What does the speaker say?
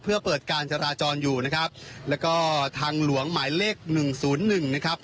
เพื่อเปิดการจราจรอยู่นะครับแล้วก็ทางหลวงหมายเลขหนึ่งศูนย์หนึ่งนะครับ